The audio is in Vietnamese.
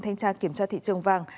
thanh tra kiểm tra thị trường vàng